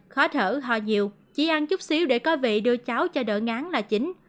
khó thở ho nhiều chỉ ăn chút xíu để có vị đưa cháo cho đỡ ngán là chính